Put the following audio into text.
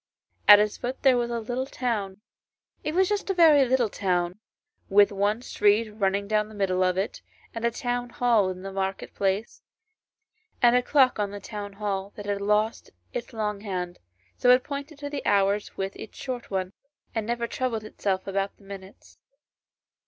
At its foot there was a little town; it was just a very little town, with one street running down the middle of it, and a town hall in the market place, and a clock on the town hall that had lost its long hand, so it pointed to the hours with its short one, and never troubled itself about the minutes.